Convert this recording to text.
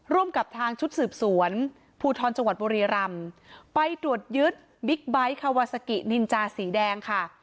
ร่วมกับทางชุดสืบสวนภูทรจังหวัดบุรีรำไปตรวจยึดบิ๊กไบท์คาวาซากินินจาสีแดงค่ะ